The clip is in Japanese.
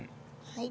はい。